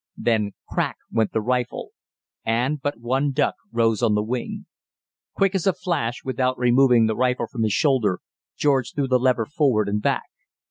Then, Crack! went the rifle, and but one duck rose on the wing. Quick as a flash, without removing the rifle from his shoulder, George threw the lever forward and back.